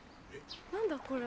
何だこれは。